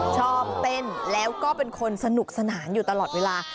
ชอบเต้นแล้วก็เป็นคนสนุกสนานอยู่ตลอดเวลา